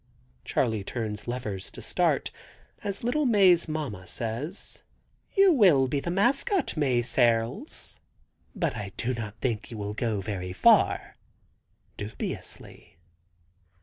Charley turns levers to start, as little Mae's mamma says: "You will be the Mascot, Mae Searles. But I do not think you will go very far," dubiously.